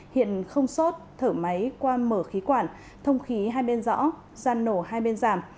hiện không sốt thở máy qua mở khí quản thông khí hai bên rõ gian nổ hai bên giảm